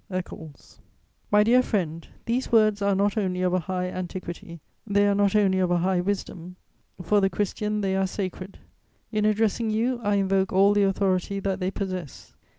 ECCLES. "My dear friend, these words are not only of a high antiquity, they are not only of a high wisdom; for the Christian they are sacred. In addressing you, I invoke all the authority that they possess.